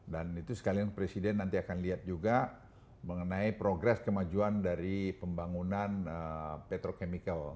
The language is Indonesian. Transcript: dan itu sekalian presiden nanti akan lihat juga mengenai progres kemajuan dari pembangunan petrochemical